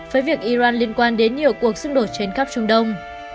với việc iran liên quan đến nhiều cuộc xung đột trên khắp trung đông